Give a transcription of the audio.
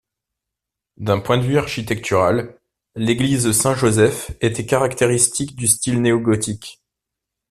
D'un point de vue architectural, l'église Saint-Joseph était caractéristique du style néo-gothique.